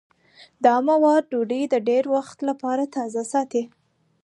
دا مواد ډوډۍ د ډېر وخت لپاره تازه ساتي.